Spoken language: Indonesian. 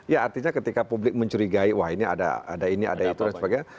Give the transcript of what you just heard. ya artinya ketika publik mencurigai wah ini ada ini ada itu dan sebagainya